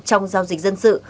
trong giao dịch dân sự